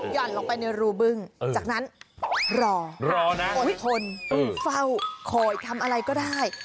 ่อนลงไปในรูบึ้งจากนั้นรอรอนะอดทนเฝ้าคอยทำอะไรก็ได้